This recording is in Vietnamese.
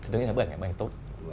đứng trên cái bức ảnh này mang tốt